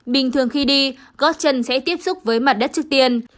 bình thường khi đi gót chân sẽ tiếp xúc với mặt đất trước tiên